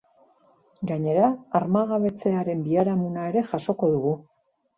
Gainera, armagabetzearen biharamuna ere jasoko dugu.